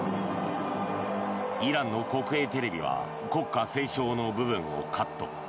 イランの国営テレビは国歌斉唱の部分をカット。